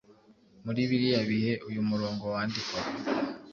Muri biriya bihe uyu murongo wandikwaga,